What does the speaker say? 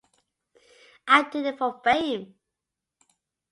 I did it for fame.